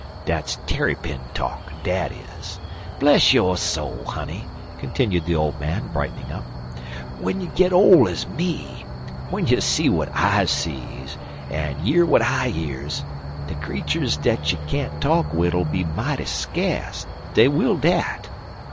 "Dat's Tarrypin talk, dat is. Bless yo' soul, honey," continued the old man, brightening up, "w'en you git ole ez me w'en you see w'at I sees, en year w'at I years de creeturs dat you can't talk wid'll be mighty skase dey will dat.